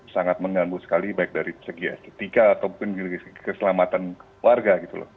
sangat mengambil sekali baik dari segi estetika ataupun dari segi keselamatan warga gitu loh